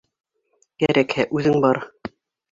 Кәрәкһә, үҙең бар.